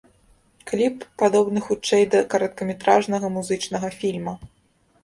Кліп падобны хутчэй да кароткаметражнага музычнага фільма.